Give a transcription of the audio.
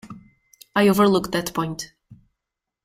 I overlooked that point.